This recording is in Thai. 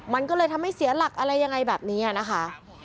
มันก็เลยทำให้เสียหลักอะไรยังไงแบบนี้นะคะ